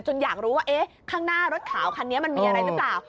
อยากรู้ว่าข้างหน้ารถขาวคันนี้มันมีอะไรหรือเปล่า